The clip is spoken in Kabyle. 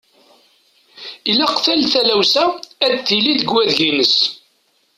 Ilaq tal taɣawsa ad tili deg wadeg-ines.